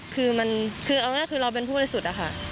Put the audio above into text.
คือเราเป็นผู้ใดสุดค่ะ